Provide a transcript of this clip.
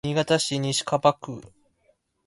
新潟市西蒲区